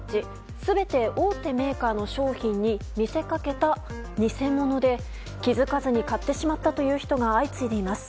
全て大手メーカーの商品に見せかけた偽物で、気づかずに買ってしまったという人が相次いでいます。